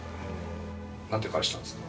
何て返したんですか？